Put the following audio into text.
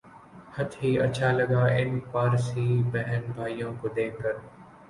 ہت ھی اچھا لگا ان پارسی بہن بھائیوں کو دیکھ کر